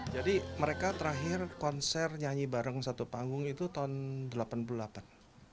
jadi mereka terakhir konser nyanyi bareng satu panggung itu tahun delapan puluh delapan